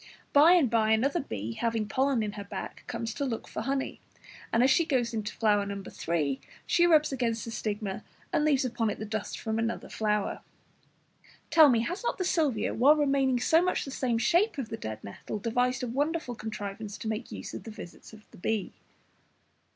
By and by another bee, having pollen on her back, comes to look for honey, and as she goes into No. 3, she rubs against the stigma and leaves upon it the dust from another flower. Tell me, has not the Salvia, while remaining so much the same shape as the dead nettle, devised a wonderful contrivance to make use of the visits of the bee?